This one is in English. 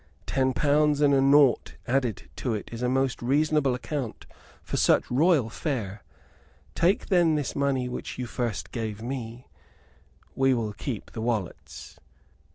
Ten pounds and a 'nought' added to it is a most reasonable account for such royal fare. Take then this money which you first gave me; we will keep the wallets."